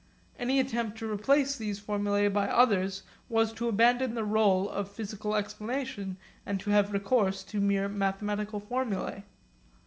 Any attempt to replace these formulae by others was to abandon the rôle of physical explanation and to have recourse to mere mathematical formulae.